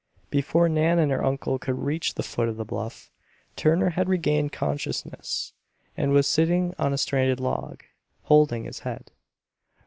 Before Nan and her uncle could reach the foot of the bluff, Turner had regained consciousness and was sitting on a stranded log, holding his head.